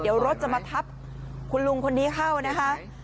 เดี๋ยวรถจะมาทับคุณลุงคนนี้เข้านะคะ